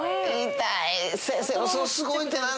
痛い！